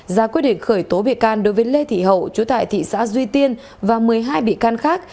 ra quyết định khởi tố bị can đối với lê thị hậu chú tại thị xã duy tiên và một mươi hai bị can khác